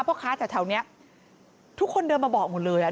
พ่อค้าแถวนี้ทุกคนเดินมาบอกหมดเลยอ่ะ